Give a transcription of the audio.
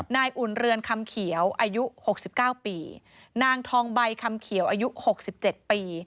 อุ่นเรือนคำเขียวอายุ๖๙ปีนางทองใบคำเขียวอายุ๖๗ปี